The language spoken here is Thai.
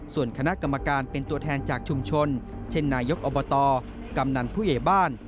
ส่วนคณะกรรมการเป็นตัวแทนจากชุมชนเช่นนายกอบตกำนันผู้ใหญ่บ้าน